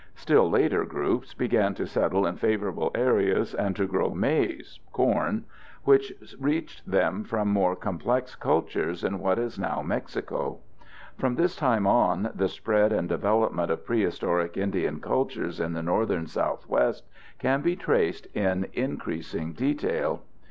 Still later, groups began to settle in favorable areas and to grow maize (corn), which reached them from more complex cultures in what is now Mexico. From this time on, the spread and development of prehistoric Indian cultures in the northern Southwest can be traced in increasing detail.